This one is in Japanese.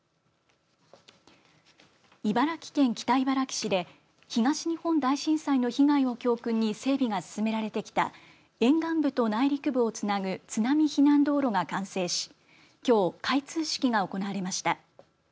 茨城県北茨城市で東日本大震災の被害を教訓に整備が進められてきた沿岸部と内陸部をつなぐ津波避難道路が完成しきょう開通式が行われました。